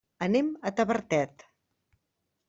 Anem a Tavertet.